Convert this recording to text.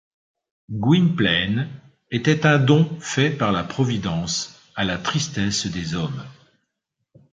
Gwynplaine était un don fait par la providence à la tristesse des hommes.